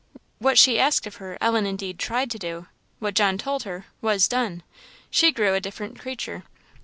What she asked of her, Ellen indeed tried to do; what John told her, was done. She grew a different creature.